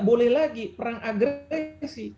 boleh lagi perang agresi